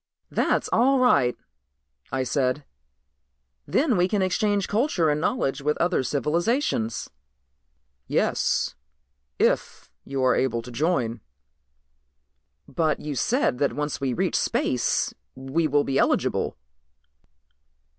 "That's all right," I said, "then we can exchange culture and knowledge with other civilizations." "Yes, if you are eligible to join." "But you said that once we reach space we will be eligible."